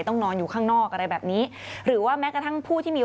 ต้องนอนอยู่ข้างนอกอะไรแบบนี้หรือว่าแม้กระทั่งผู้ที่มี